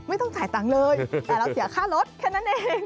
ไม่ต้องจ่ายตังค์เลยแต่เราเสียค่ารถแค่นั้นเอง